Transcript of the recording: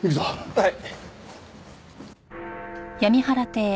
はい！